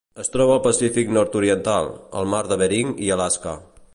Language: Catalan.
Es troba al Pacífic nord-oriental: el mar de Bering i Alaska.